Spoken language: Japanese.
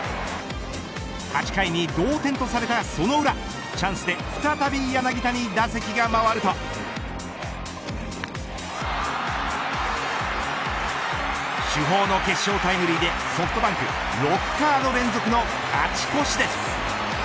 ８回に同点とされたその裏チャンスで再び柳田に打席が回ると主砲の決勝タイムリーでソフトバンク６カード連続の勝ち越しです。